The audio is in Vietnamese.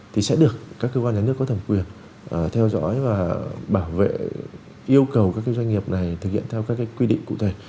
thì sẽ được các cơ quan nhà nước có thẩm quyền theo dõi và bảo vệ yêu cầu các doanh nghiệp này thực hiện theo các quy định cụ thể